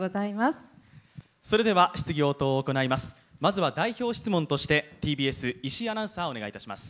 それでは、質疑応答を行います。